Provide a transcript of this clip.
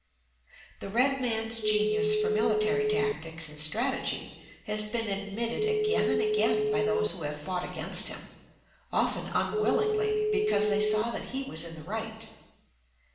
The red man's genius for military tactics and strategy has been admitted again and again by those who have fought against him, often unwillingly, because they saw that he was in the right.